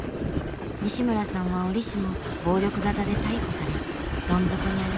西村さんは折しも暴力沙汰で逮捕されどん底にありました。